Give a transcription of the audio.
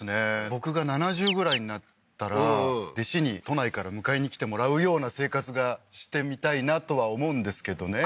僕が７０ぐらいになったら弟子に都内から迎えにきてもらうような生活がしてみたいなとは思うんですけどね